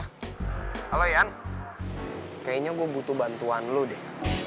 halo yan kayaknya gue butuh bantuan lo deh